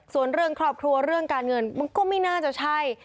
ส่วนเรื่องครอบครัวเรื่องการเงินมันก็ไม่น่าจะใช่